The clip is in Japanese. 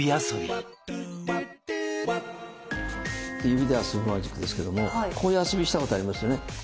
指で遊ぶマジックですけどもこういう遊びしたことありますよね。